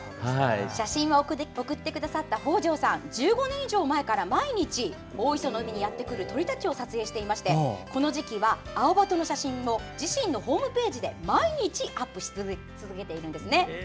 写真を送ってくださった北條さん、１５年以上前から毎日、大磯の海にやってくる鳥たちを撮影していましてこの時期はアオバトの写真を自身のホームページで毎日アップし続けています。